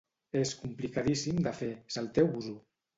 És complicadíssim de fer, salteu-vos-ho!